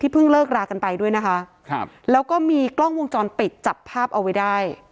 เพิ่งเลิกรากันไปด้วยนะคะครับแล้วก็มีกล้องวงจรปิดจับภาพเอาไว้ได้